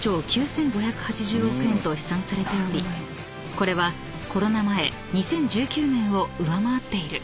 ［これはコロナ前２０１９年を上回っている］